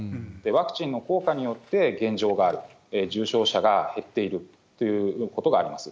ワクチンの効果によって現状がある、重症者が減っているということがあります。